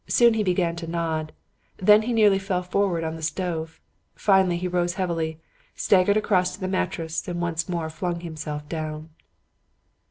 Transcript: Soon he began to nod; then he nearly fell forward on the stove. Finally he rose heavily, staggered across to the mattress and once more flung himself down.